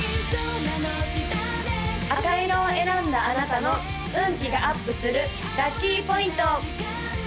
赤色を選んだあなたの運気がアップするラッキーポイント！